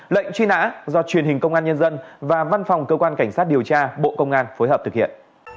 lệnh truy nã do truyền hình công an nhân dân và văn phòng cơ quan cảnh sát điều tra bộ công an phối hợp thực hiện